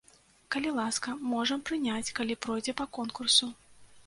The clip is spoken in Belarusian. Калі ласка, можам прыняць, калі пройдзе па конкурсу.